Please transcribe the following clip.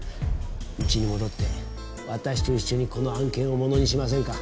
うちに戻って私と一緒にこの案件をものにしませんか？